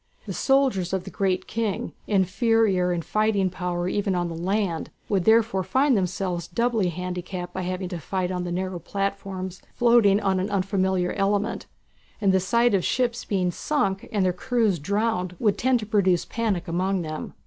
The soldiers of the "Great King," inferior in fighting power even on the land, would therefore find themselves doubly handicapped by having to fight on the narrow platforms floating on an unfamiliar element, and the sight of ships being sunk and their crews drowned would tend to produce panic among them.